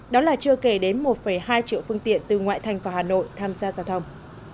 đó là chưa kể đến một hai triệu phương tiện từ ngoại thành và hà nội tham gia giao thông